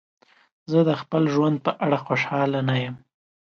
زه د خپل ژوند په اړه خوشحاله نه یم.